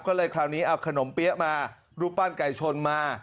ก็เลยคราวนี้เอาขนมเปี๊ยะมารูปปั้นไก่ชนมา